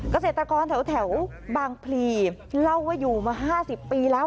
เกษตรกรแถวบางพลีเล่าว่าอยู่มา๕๐ปีแล้ว